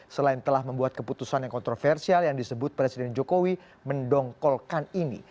selain telah membuat keputusan yang kontroversial yang disebut presiden jokowi mendongkolkan ini